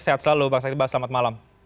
sehat selalu bang syed iqbal selamat malam